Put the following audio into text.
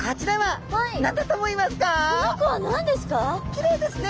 きれいですね。